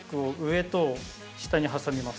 上と下に挟みます